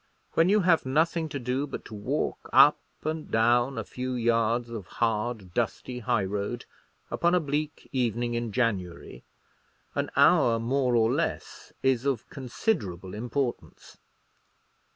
When you have nothing to do but to walk up and down a few yards of hard dusty high road, upon a bleak evening in January, an hour more or less is of considerable importance.